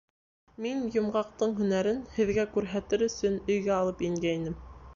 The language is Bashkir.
Мин, Йомғаҡтың һәнәрен һеҙгә күрһәтер өсөн, өйгә алып ингәйнем.